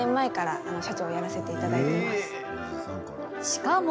しかも。